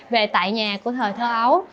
về tại nhà của thời thơ ấu